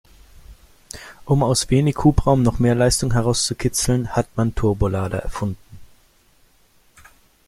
Um aus wenig Hubraum noch mehr Leistung herauszukitzeln, hat man Turbolader erfunden.